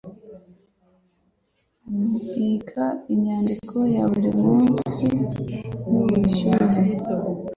Mbika inyandiko ya buri munsi yubushyuhe.